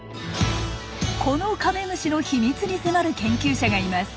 このカメムシの秘密に迫る研究者がいます。